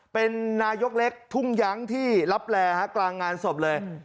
เป็นนายกเล็กทุ่งยั้งที่ลับแลกลางงานศพเลย